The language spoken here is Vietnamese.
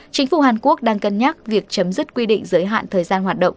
chính phủ hàn quốc đang cân nhắc việc chấm dứt quy định giới hạn thời gian hoạt động